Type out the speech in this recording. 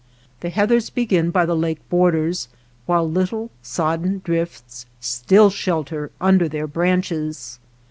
The heathers begin by the lake borders, while little sodden drifts still shelter under their branches.